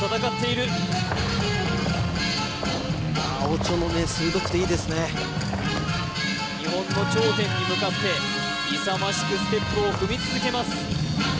オチョもね鋭くていいですね日本の頂点に向かって勇ましくステップを踏み続けます